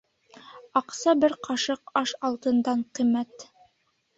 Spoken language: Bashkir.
Асҡа бер ҡашыҡ аш алтындан ҡиммәт.